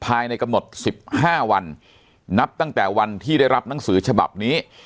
ภายในกำหนด๑๕วันนับตั้งแต่วันที่ได้รับหนังสือฉบับนี้